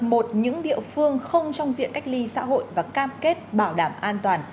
một những địa phương không trong diện cách ly xã hội và cam kết bảo đảm an toàn